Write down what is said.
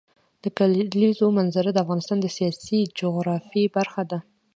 د کلیزو منظره د افغانستان د سیاسي جغرافیه برخه ده.